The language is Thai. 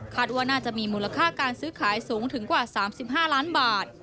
ว่าน่าจะมีมูลค่าการซื้อขายสูงถึงกว่า๓๕ล้านบาท